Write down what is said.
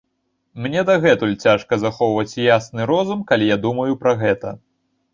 Мне дагэтуль цяжка захоўваць ясны розум, калі я думаю пра гэта.